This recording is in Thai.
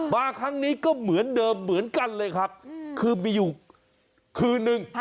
มาครั้งนี้ก็เหมือนเดิมเหมือนกันเลยครับคือมีอยู่คืนนึง